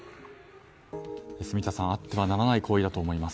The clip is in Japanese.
住田さん、あってはならない行為だと思います。